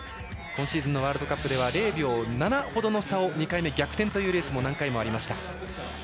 今シーズンのワールドカップでは０秒７ほどの差を２回目、逆転というレースも何回もありました。